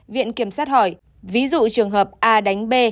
viện kiểm sát hỏi ví dụ trường hợp a đánh b